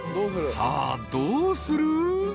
［さあどうする？］